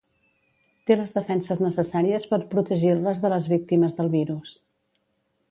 Té les defenses necessàries per protegir-les de les víctimes del virus.